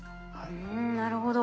うんなるほど。